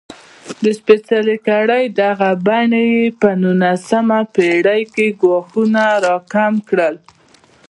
د سپېڅلې کړۍ دغې بڼې په نولسمه پېړۍ کې ګواښونه راکم کړل.